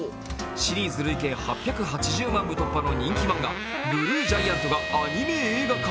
シリーズ累計８８０万部突破の人気漫画「ＢＬＵＥＧＩＡＮＴ」がアニメ映画化。